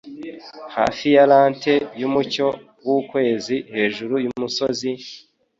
Hasi ya lente yumucyo wukwezi, hejuru yumusozi,